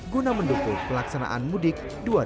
guna mendukung pelaksanaan mudik dua ribu dua puluh